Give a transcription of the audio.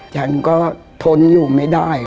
ฉันก็ทนอยู่ไม่ได้